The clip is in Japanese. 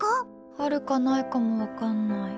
あるかないかも分かんない。